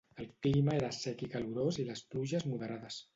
El clima era sec i calorós i les pluges moderades.